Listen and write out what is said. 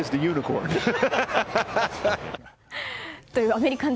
アメリカン